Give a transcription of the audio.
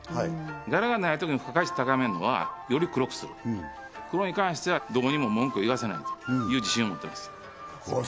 柄がないときの付加価値高めるのはより黒くする黒に関してはどこにも文句言わせないという自信を持ってますうわ